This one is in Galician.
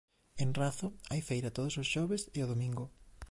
En Razo hai feira todos os xoves e domingo